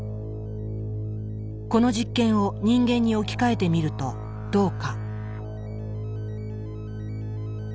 この実験を人間に置き換えてみるとどうか。